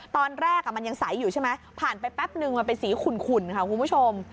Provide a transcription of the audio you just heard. ตอนแรกมันยังใสอยู่ใช่ไหมผ่านไปแป๊บนึงมันเป็นสีขุ่นค่ะคุณผู้ชม